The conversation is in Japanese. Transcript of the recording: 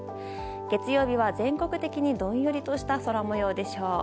月曜日は全国的にどんよりとした空模様でしょう。